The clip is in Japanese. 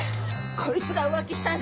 こいつが浮気したんだよ。